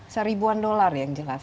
seribuan dolar yang jelas